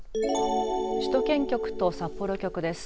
首都圏局と札幌局です。